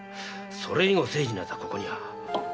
それ以後清次の奴はここには。